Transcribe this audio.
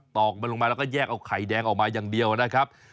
อกมันลงมาแล้วก็แยกเอาไข่แดงออกมาอย่างเดียวนะครับ